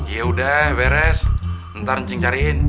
yaudah beres ntar ncing cariin